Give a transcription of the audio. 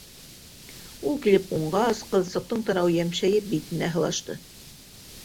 Ул килеп ҡунғас, ҡыҙсыҡтың танауы йәмшәйеп, битенә һылашты.